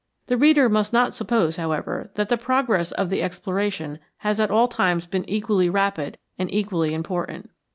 The reader must not suppose, however, that the progress of the exploration has at all times been equally rapid and equally important.